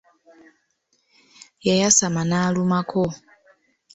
Yayasama n'alumako.